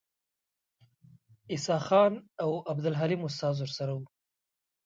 عیسی خان او عبدالحلیم استاد ورسره وو.